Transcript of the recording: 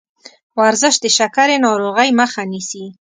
ورزش د شکرې ناروغۍ مخه نیسي.